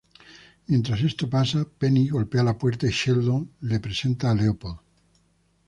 Mientras esto pasa, Penny golpea la puerta y Sheldon le presenta a Leopold.